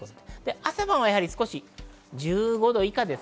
朝晩は１５度以下です。